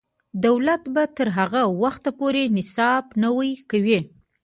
دولت به تر هغه وخته پورې نصاب نوی کوي.